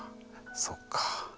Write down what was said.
そっか。